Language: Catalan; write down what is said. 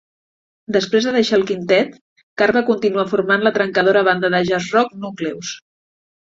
Després de deixar el quintet, Carr va continuar formant la trencadora banda de jazz-rock Nucleus.